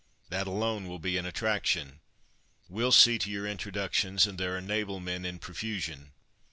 That alone will be an attraction. We'll see to your introductions; and there are naval men in profusion."